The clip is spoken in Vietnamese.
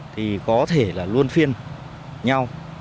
thì có thể là luôn phiên nhau